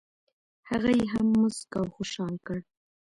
هغه یې هم مسک او خوشال کړ.